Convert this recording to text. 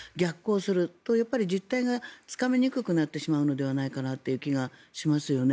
そうすると、実態がつかみにくくなってしまうのではないかという気がしますね。